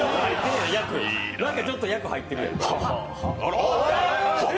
舘、ちょっと役入ってるやん。